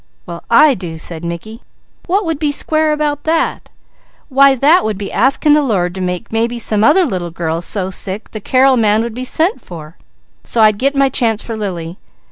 "Well I do!" said Mickey. "What would be square about that? Why that would be asking the Lord to make maybe some other little girl so sick, the Carrel man would be sent for, so I'd get my chance for Lily.